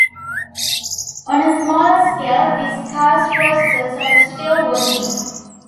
On a smaller scale, these karst processes are still working.